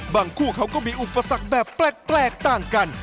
คู่เขาก็มีอุปสรรคแบบแปลกต่างกัน